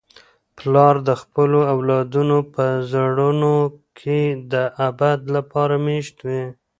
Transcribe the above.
پلار د خپلو اولادونو په زړونو کي د ابد لپاره مېشت وي.